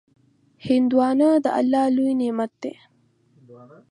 هندوانه د الله لوی نعمت دی.